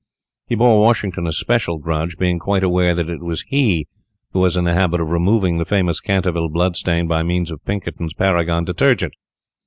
He bore Washington a special grudge, being quite aware that it was he who was in the habit of removing the famous Canterville blood stain by means of Pinkerton's Paragon Detergent.